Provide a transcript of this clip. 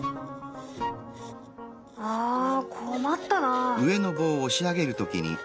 ああ困ったな。